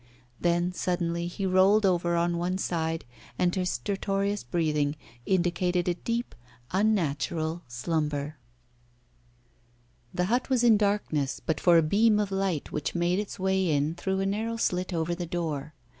Then suddenly he rolled over on one side, and his stertorous breathing indicated a deep, unnatural slumber. The hut was in darkness but for a beam of light which made its way in through a narrow slit over the door.